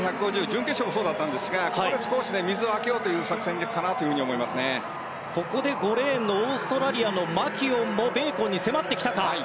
準決勝もそうだったんですがここで少し水をあけようというオーストラリアのマキュオンもベーコンに迫ってきたか。